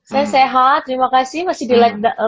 saya sehat terima kasih masih di lockdown mel